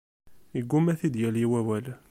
Yeggumma ad t-id-yali wawal.